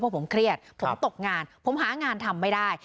เพราะผมเครียดผมตกงานผมหางานทำไม่ได้